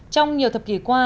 trong nhiều thập kỷ qua